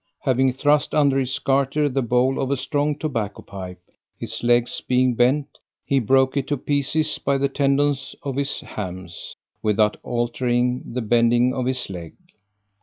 Having thrust under his garter the bowl of a strong tobacco pipe, his legs being bent, he broke it to pieces by the tendons of his hams, without altering the bending of his leg.